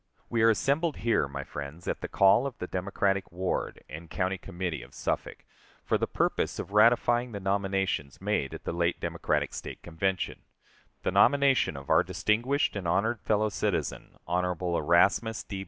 We are assembled here, my friends, at the call of the Democratic ward and county committee of Suffolk, for the purpose of ratifying the nominations made at the late Democratic State Convention the nomination of our distinguished and honored fellow citizen [Hon. Erasmus D.